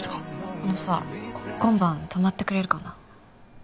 あのさ今晩泊まってくれるかな？